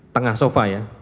tengah sofa ya